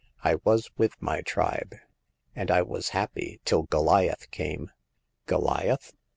" I was with my tribe, and I was happy till Goliath came." ^^ Goliath